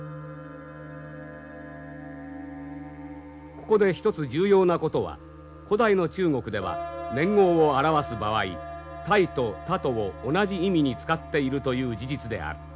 ここで１つ重要なことは古代の中国では年号を表す場合「泰」と「太」とを同じ意味に使っているという事実である。